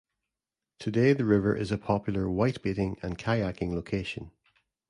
Today the river is a popular whitebaiting and kayaking location.